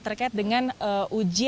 terkait dengan ujian